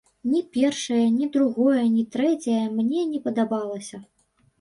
Ні першае, ні другое, ні трэцяе мне не падабалася.